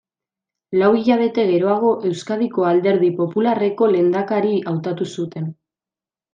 Lau hilabete geroago, Euskadiko Alderdi Popularreko lehendakari hautatu zuten.